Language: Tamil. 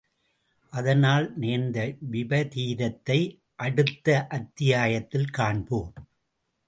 அதனால், நேர்ந்த விபரீதத்தை அடுத்த அத்தியாயத்தில் காண்போம்.